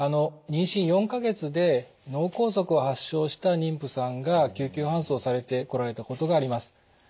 妊娠４か月で脳梗塞を発症した妊婦さんが救急搬送されてこられたことがあります。